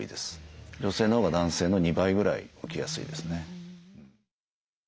女性のほうが男性の２倍ぐらい起きやすいですね。